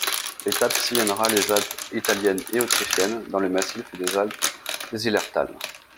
L'étape sillonnera les Alpes italiennes et autrichiennes, dans le massif des Alpes de Zillertal.